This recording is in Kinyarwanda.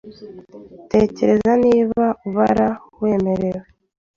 Tekereza niba ubara wemera